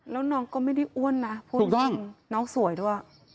แล้วน้องก็ไม่ได้อ้วนนะพูดจริงน้องสวยด้วย